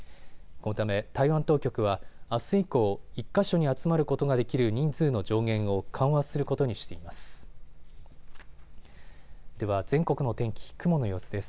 このため台湾当局は、あす以降、１か所に集まることができる人数の上限を緩和することにしています。